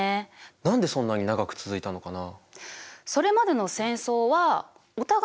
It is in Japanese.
何でそんなに長く続いたのかな？